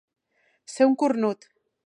Ser un cornut.